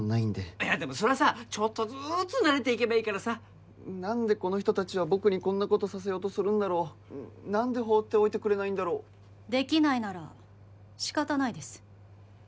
いやでもそれはさちょっとずつ慣れていけばいいからさ何でこの人達は僕にこんなことさせようとするんだろう何で放っておいてくれないんだろうできないなら仕方ないです